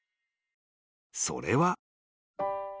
［それは］